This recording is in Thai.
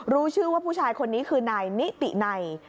รู้ว่าผู้ชายคนนี้คือนายนิตินัย